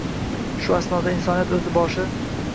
Shu asnoda insoniyat o‘sha paytda aqli bovar qilmagan